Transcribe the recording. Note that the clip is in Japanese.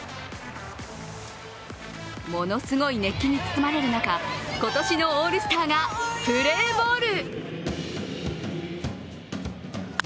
ものすごい熱気に包まれる中今年のオールスターがプレーボール。